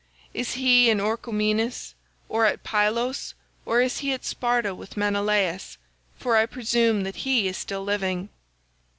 Is he in Orchomenus, or at Pylos, or is he at Sparta with Menelaus—for I presume that he is still living.